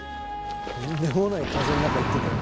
「とんでもない風の中行ってたよ。